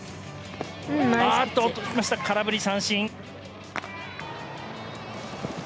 あっと、落ちました、空振り三振。